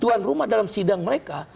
tuan rumah dalam sidang mereka